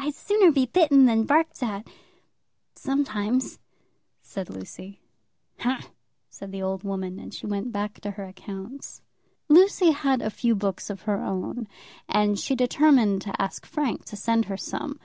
"I'd sooner be bitten than barked at, sometimes," said Lucy. "Humph!" said the old woman, and then she went back to her accounts. Lucy had a few books of her own, and she determined to ask Frank to send her some.